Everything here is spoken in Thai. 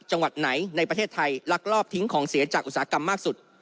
จังหวัดไหนในประเทศไทยลักลอบทิ้งของเสียจากอุตสาหกรรมมากสุด